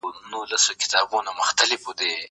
ايا ته کتاب لولې.